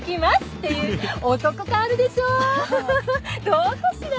どうかしら？